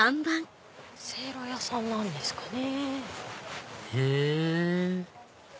せいろ屋さんなんですかね？